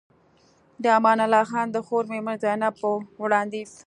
د امان الله خان د خور مېرمن زينب په وړانديز